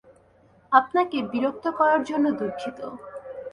আপনাকে বিরক্ত করার জন্য দুঃখিত।